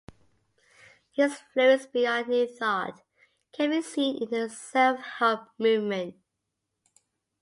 His influence beyond New Thought can be seen in the self-help movement.